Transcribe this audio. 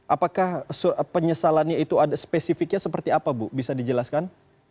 apakah penyesalannya itu ada spesifiknya seperti apa bu bisa dijelaskan